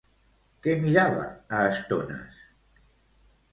Què mirava a estones?